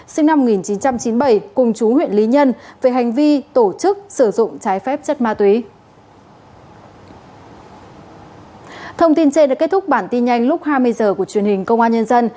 sinh năm một nghìn chín trăm chín mươi bảy cùng chú huyện lý nhân về hành vi tổ chức sử dụng trái phép chất ma túy